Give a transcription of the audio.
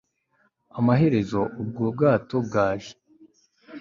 amaherezo ubwo bwato bwaje